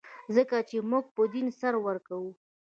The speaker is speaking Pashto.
ځکه چې موږ په دین سر ورکوو.